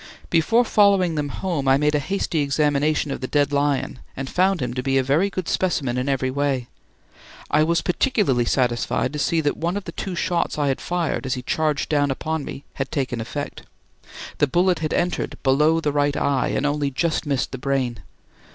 Before following them home I made a hasty examination of the dead lion and found him to be a very good specimen in every way. I was particularly satisfied to see that one of the two shots I had fired as he charged down upon me had taken effect. The bullet had entered below the right eye, and only just missed the brain.